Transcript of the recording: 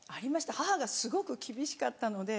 母がすごく厳しかったので。